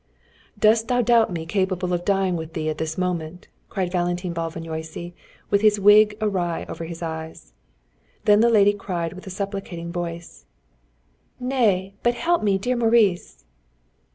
"Dost thou doubt me capable of dying with thee at this moment?" cried Valentine Bálványossi, with his wig awry over his eyes. Then the lady cried with a supplicating voice: "Nay; but help me, dear Maurice!"